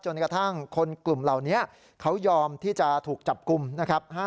จนกระทั่งคนกลุ่มเหล่านี้เขายอมที่จะถูกจับกลุ่มนะครับ